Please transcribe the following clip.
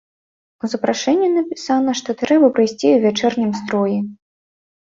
У запрашэнні напісана, што трэба прыйсці ў вячэрнім строі.